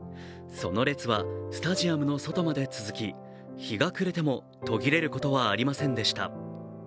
その列はスタジアムの外まで続き日が暮れても途切れることはありませんでした。